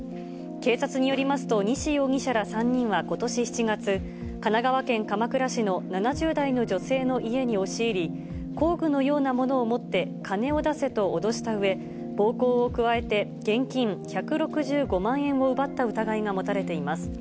警察によりますと、西容疑者ら３人はことし７月、神奈川県鎌倉市の７０代の女性の家に押し入り、工具のようなものを持って金を出せと脅したうえ、暴行を加えて、現金１６５万円を奪った疑いが持たれています。